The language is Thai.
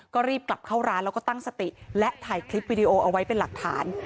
ก็รีบกลับเข้าร้านแล้วก็ตั้งสติและถ่ายคลิปวิดีโอเอาไว้เป็นหลักฐาน